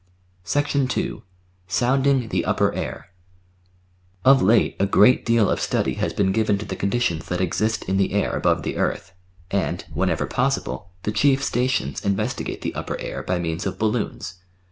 2 Sounding the Upper Air Of late a great deal of study has been given to the con ditions that exist in the air above the earth, and, whenever possible, the chief stations investigate the upper air by means of balloons.